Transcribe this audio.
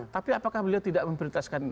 tapi apakah beliau tidak memprioritaskan